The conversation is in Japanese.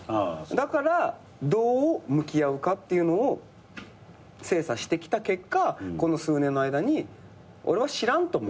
だからどう向き合うかっていうのを精査してきた結果この数年の間に俺はしらんと。